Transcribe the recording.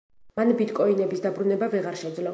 მან ბიტკოინების დაბრუნება ვეღარ შეძლო.